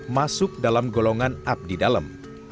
masuk dalam golongan abdi dalam